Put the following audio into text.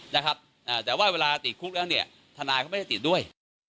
แต่ว่าเวลาติดคุกแล้วธนายเขาไม่ได้ติดด้วย